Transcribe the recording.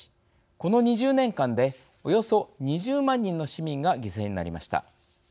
この２０年間でおよそ２０万人の市民が犠牲になりました。